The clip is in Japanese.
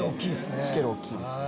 スケール大っきいですね。